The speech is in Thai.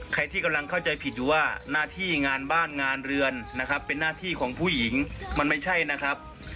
ใครที่กำลังเข้าใจผิดอยู่ว่าหน้าที่งานบ้านงานเรือนนะครับเป็นหน้าที่ของผู้หญิงมันไม่ใช่นะครับ